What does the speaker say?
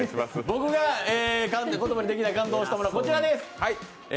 僕がかつて言葉にできないほど感動したものはこちらです。